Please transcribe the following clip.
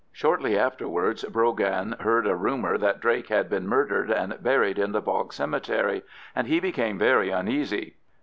Shortly afterwards Brogan heard a rumour that Drake had been murdered and buried in the bog cemetery, and he became very uneasy.